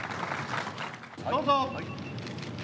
どうぞ。